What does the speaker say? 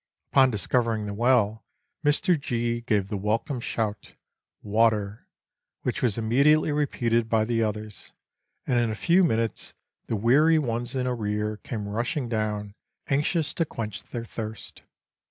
Upon discovering the well, Mr. G . gave the welcome shout " Water !" which was immediately repeated by the others, and in a few minutes the weary ones in arrear came rushing down, anxious to quench their thirst.